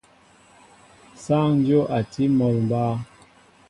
Sááŋ dyów a tí mol mba.